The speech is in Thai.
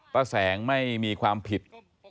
ป้าแสงไม่มีความผิด